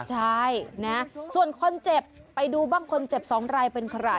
ใช่นะส่วนคนเจ็บไปดูบ้างคนเจ็บ๒รายเป็นใคร